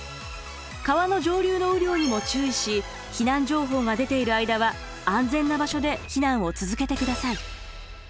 川の上流の雨量にも注意し避難情報が出ている間は安全な場所で避難を続けてください。